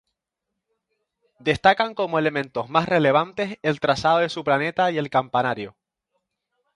Destacan como elementos más relevantes el trazado de su planta y el campanario.